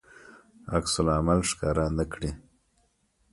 عکس العمل ښکاره نه کړي.